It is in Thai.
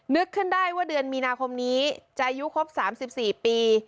นึกขึ้นได้ว่าเดือนมีนาคมนี้จะอายุครบ๓๔ปี